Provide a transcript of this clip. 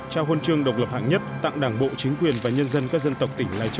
trao huân chương độc lập hạng nhất tặng đảng bộ chính quyền và nhân dân các dân tộc tỉnh lai châu